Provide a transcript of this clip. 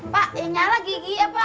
pak ini nyalah gigi ya pak